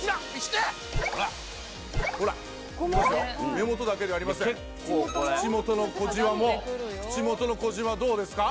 目元だけではありません口元の小じわも口元の小じわどうですか？